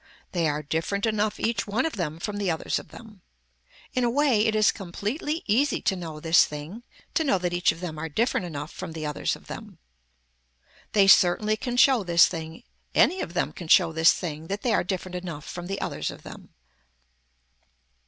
They are different enough each one of them from the others of them. In a way it is completely easy to know this thing to know that each of them are different enough from the others of them. They certainly can show this thing, any of them can show this thing that they are different enough from the others of them.